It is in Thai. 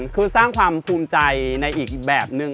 คือสร้างความภูมิใจในอีกแบบนึง